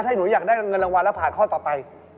ถ้าหนูอยากได้เงินรางวัลแล้วผ่านข้อต่อไป